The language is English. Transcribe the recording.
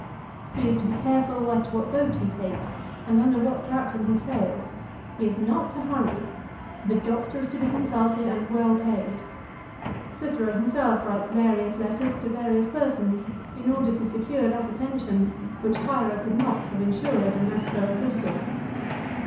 He is to be careful as to what boat he takes, and under what captain he sails. He is not to hurry. The doctor is to be consulted and well paid. Cicero himself writes various letters to various persons in order to secure that attention which Tiro could not have insured unless so assisted.